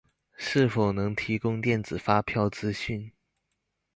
是否能提供電子發票資訊